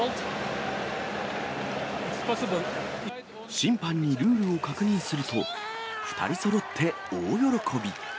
審判にルールを確認すると、２人そろって大喜び。